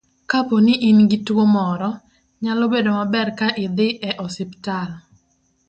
Kapo ni in gi tuwo moro, nyalo bedo maber ka idhi e osiptal .